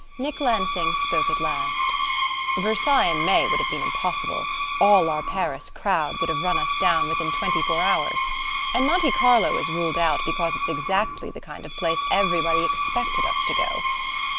Nick Lansing spoke at last. "Versailles in May would have been impossible: all our Paris crowd would have run us down within twenty four hours. And Monte Carlo is ruled out because it's exactly the kind of place everybody expected us to go.